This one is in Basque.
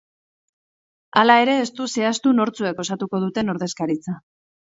Hala ere, ez du zehaztu nortzuek osatuko duten ordezkaritza.